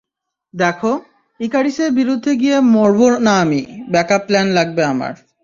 দেখো, ইকারিসের বিরুদ্ধে গিয়ে মরবো না আমি, ব্যাকআপ প্ল্যান লাগবে আমাদের।